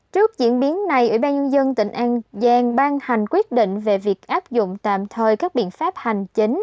trước diễn biến này ủy ban nhân dân tỉnh an giang ban hành quyết định về việc áp dụng tạm thời các biện pháp hành chính